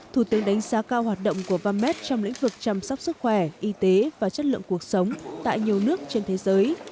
thủ tướng đánh giá cao hoạt động của vams trong lĩnh vực chăm sóc sức khỏe y tế và chất lượng cuộc sống tại nhiều nước trên thế giới